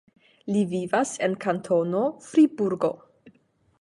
Li vivas en Kantono Friburgo.